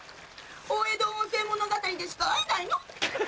大江戸温泉物語でしか会えないの？